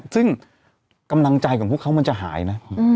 ซึ่งกำลังใจของพวกเขามันจะหายนะ